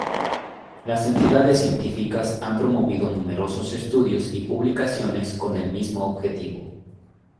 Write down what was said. Las entidades científicas han promovido numerosos estudios y publicaciones con el mismo objetivo.